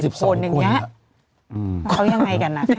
แล้วเขายังไงกันน่ะ